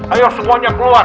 ayo semuanya keluar